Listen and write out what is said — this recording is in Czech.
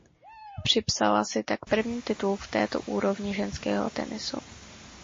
Připsala si tak první titul v této úrovni ženského tenisu.